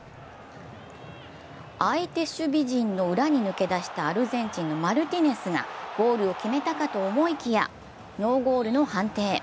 相手守備陣の裏に抜け出したアルゼンチンのマルティネスがゴールを決めたかと思いきやノーゴールの判定。